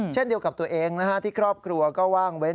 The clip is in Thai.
เช่นเดียวกับตัวเองที่ครอบครัวก็ว่างเว้น